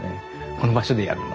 「この場所でやるの？」